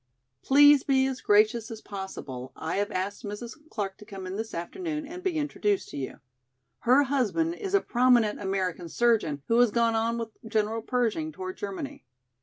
Please be as gracious as possible, I have asked Mrs. Clark to come in this afternoon and be introduced to you. Her husband is a prominent American surgeon who has gone on with General Pershing toward Germany.